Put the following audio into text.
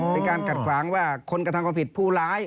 เป็นการกัดขวางว่าคนกระทำความผิดผู้ร้าย